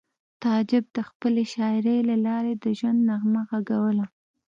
تعجب د خپلې شاعرۍ له لارې د ژوند نغمه غږوله